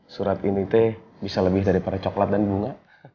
surat ini t bisa lebih daripada coklat dan bunga